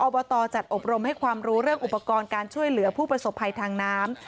อบตจัดอบรมให้ความรู้เรื่องอุปกรณ์การช่วยเหลือผู้ประสบภัยทางน้ำ